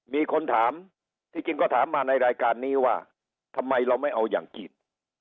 มีคนถามที่จริงก็ถามมาในรายการนี้ว่าทำไมเราไม่เอาอย่างจีน